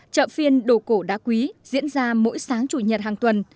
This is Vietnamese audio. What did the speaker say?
chợ phiên đồ cổ đá quý diễn ra mỗi sáng chủ nhật hàng tuần